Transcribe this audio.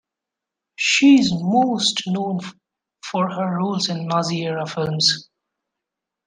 She is most known for her roles in Nazi-era films.